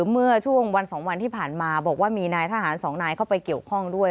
เมื่อช่วงวัน๒วันที่ผ่านมาบอกว่ามีนายทหารสองนายเข้าไปเกี่ยวข้องด้วย